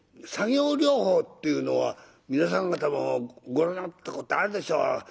作業療法っていうのは皆さん方もご覧なったことあるでしょう。